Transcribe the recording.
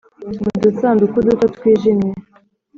mu dusanduku duto twijimye